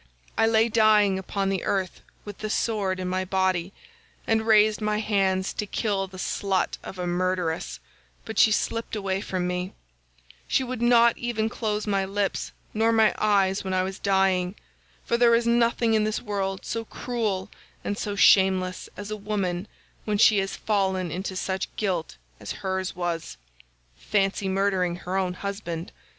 I lay dying upon the earth with the sword in my body, and raised my hands to kill the slut of a murderess, but she slipped away from me; she would not even close my lips nor my eyes when I was dying, for there is nothing in this world so cruel and so shameless as a woman when she has fallen into such guilt as hers was. Fancy murdering her own husband!